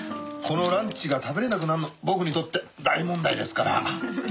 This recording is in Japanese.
このランチが食べられなくなるの僕にとって大問題ですから。